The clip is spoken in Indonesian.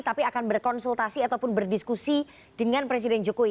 tapi akan berkonsultasi ataupun berdiskusi dengan presiden jokowi